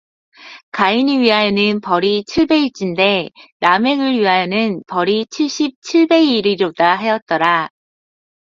가인을 위하여는 벌이 칠배일찐대 라멕을 위하여는 벌이 칠십 칠배이리로다 하였더라